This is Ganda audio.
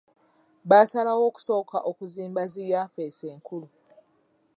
Basalawo okusooka okuzimba zi yafesi enkulu.